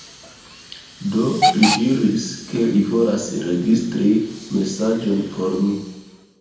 Do li diris, ke li volas registri mesaĝon por mi.